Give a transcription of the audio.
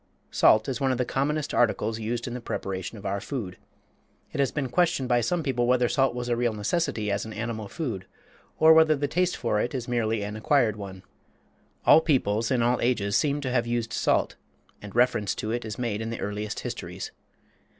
Salt is one of the commonest articles used in the preparation of our food. It has been questioned by some people whether salt was a real necessity as an animal food, or whether the taste for it is merely an acquired one. All peoples in all ages seem to have used salt, and reference to it is made in the earliest histories.